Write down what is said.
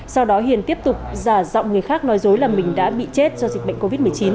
sau đó hiền tiếp tục giả giọng người khác nói dối là mình đã bị chết do dịch bệnh covid một mươi chín